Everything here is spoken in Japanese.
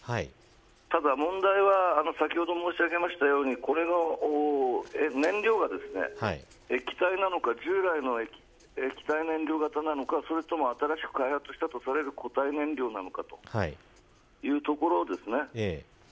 ただ問題は先ほど申し上げましたようにこれの燃料が従来の液体燃料型なのか新しく開発されたとされる固体燃料なのかというところですね。